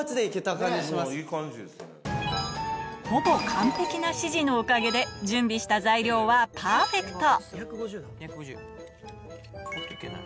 ほぼ完璧な指示のおかげで準備した材料はパーフェクトＯＫ！